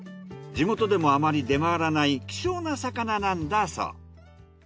地元でもあまり出回らない希少な魚なんだそう。